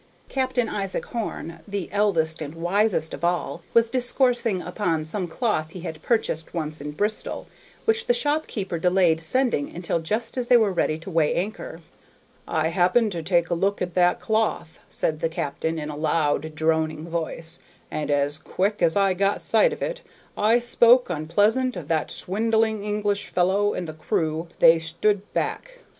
Captain Isaac Horn, the eldest and wisest of all, was discoursing upon some cloth he had purchased once in Bristol, which the shopkeeper delayed sending until just as they were ready to weigh anchor. "I happened to take a look at that cloth," said the captain, in a loud droning voice, "and as quick as I got sight of it, I spoke onpleasant of that swindling English fellow, and the crew, they stood back.